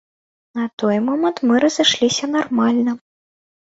На той момант мы разышліся нармальна.